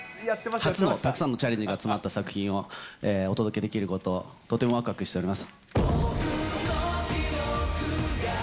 初のたくさんのチャレンジが詰まった作品をお届けできること、とてもわくわくしております。